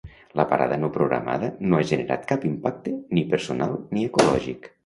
La parada no programada no ha generat cap impacte ni personal ni ecològic.